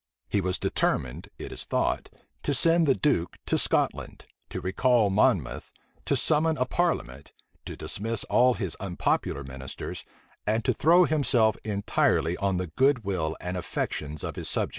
He was determined, it is thought, to send the duke to Scotland, to recall Monmouth, to summon a parliament, to dismiss all his unpopular ministers, and to throw himself entirely on the good will and affections of his subjects.